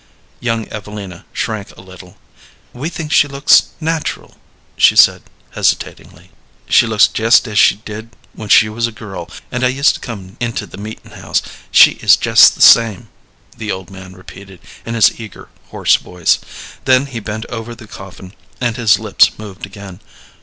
Young Evelina shrank a little. "We think she looks natural," she said, hesitatingly. "She looks jest as she did when she was a girl and used to come into the meetin' house. She is jest the same," the old man repeated, in his eager, hoarse voice. Then he bent over the coffin, and his lips moved again.